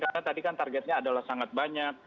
karena tadi kan targetnya adalah sangat banyak